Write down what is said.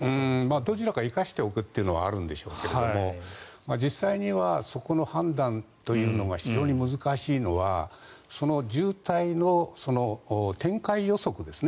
どちらか生かしておくというのはあるんでしょうけども実際にはそこの判断というのが非常に難しいのは渋滞の展開予測ですね。